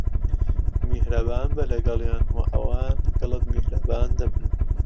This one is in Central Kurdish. میھرەبان بە لەگەڵیان، و ئەوان لەگەڵت میھرەبان دەبن.